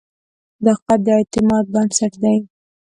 صداقت د اعتماد بنسټ دی.